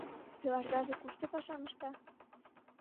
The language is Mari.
— Пелашдаже кушто пашам ышта?